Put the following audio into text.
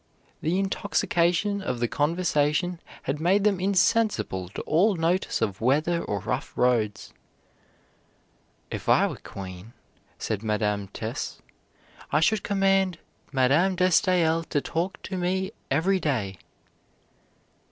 The intoxication of the conversation had made them insensible to all notice of weather or rough roads. "If I were Queen," said Madame Tesse, "I should command Madame de Staël to talk to me every day."